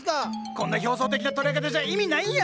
こんな表層的な捉え方じゃ意味ないんや！